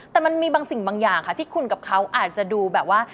แต่มันมีบางสิ่งบางอย่างค่ะที่คุณกับเขาอาจจะดูแบบว่า